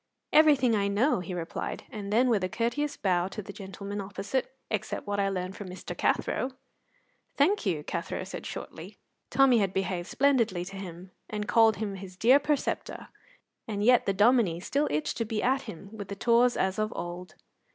"Everything I know," he replied, and then, with a courteous bow to the gentleman opposite, "except what I learned from Mr. Cathro." "Thank you," Cathro said shortly. Tommy had behaved splendidly to him, and called him his dear preceptor, and yet the Dominie still itched to be at him with the tawse as of old.